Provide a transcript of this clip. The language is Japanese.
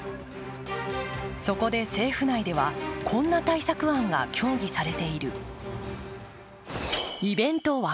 そこで政府内では、こんな対策案が協議されている。